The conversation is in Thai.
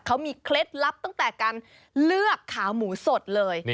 เขามีเคล็ดลับตั้งแต่การเลือกขาหมูสดเลย